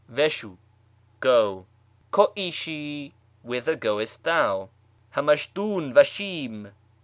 Ve shu, go ; ko'isM, whither goest thou ? Hamashtfm va shim.